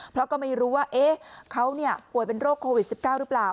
เพราะก็ไม่รู้ว่าเขาป่วยเป็นโรคโควิด๑๙หรือเปล่า